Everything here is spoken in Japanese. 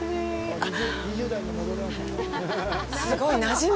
すごいなじむ。